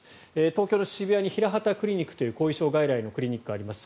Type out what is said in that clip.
東京の渋谷にヒラハタクリニックという後遺症外来のクリニックがあります。